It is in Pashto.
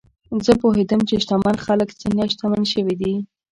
زه پوهېدم چې شتمن خلک څنګه شتمن شوي دي.